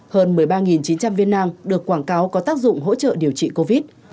hơn một mươi ba chín trăm linh viên nang được quảng cáo có tác dụng hỗ trợ điều trị covid